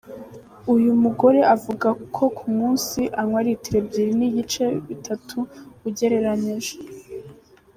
Uyu mugore avuga ko ku munsi anwa litiro ebyiri n’ ibice bitatu ugereranyije.